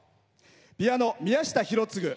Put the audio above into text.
ピアノ、宮下博次。